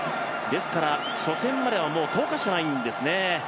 ですから、初戦まではもう１０日しかないんですね。